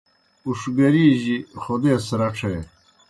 اُوݜگری جیُ خودیس رڇھے۔